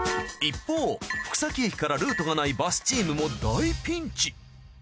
一方福崎駅からルートがないバスチームも大ピンチ。